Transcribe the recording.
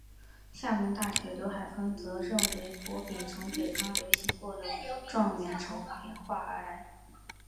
厦门大学刘海峰则认为博饼从北方流行过的状元筹演化而来。